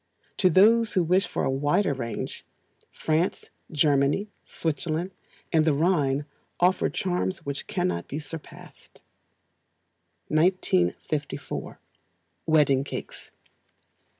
To those who wish for a wider range, France, Germany, Switzerland, and the Rhine offer charms which cannot be surpassed. 1954. Wedding Cakes.